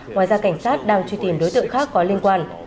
ngoài ra cảnh sát đang truy tìm đối tượng khác có liên quan